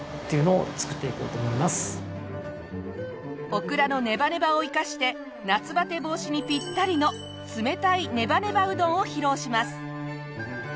オクラのネバネバを生かして夏バテ防止にぴったりの冷たいネバネバうどんを披露します。